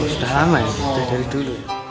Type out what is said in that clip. sudah lama ya sudah dari dulu